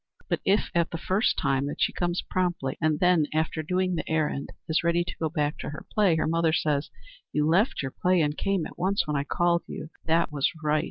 But if, at the first time that she comes promptly, and then, after doing the errand, is ready to go back to her play, her mother says, "You left your play and came at once when I called you. That was right.